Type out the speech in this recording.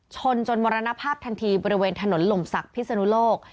ชนจนมรณภาพทันทีบริเวณถนนหล่มศักดิ์พิศนุโลก